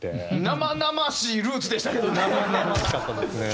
生々しいルーツでしたけどね。